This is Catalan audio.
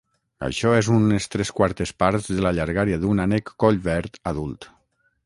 Això és unes tres quartes parts de la llargària d'un ànec collverd adult.